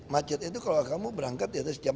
macet itu kalau kamu berangkat di atas jam